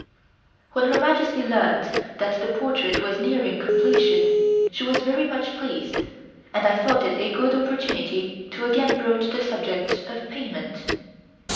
When Her Majesty learned that the portrait was nearing completion she was very much pleased, and I thought it a good opportunity to again broach the subject of payment.